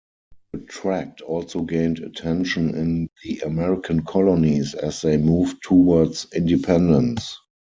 The tract also gained attention in the American colonies as they moved towards independence.